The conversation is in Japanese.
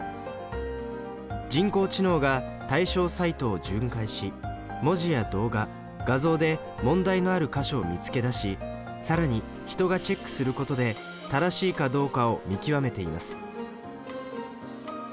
人工知能が対象サイトを巡回し文字や動画画像で問題のある箇所を見つけ出し更に人がチェックすることで正しいかどうかを見極めています。